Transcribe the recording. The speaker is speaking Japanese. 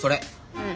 うん。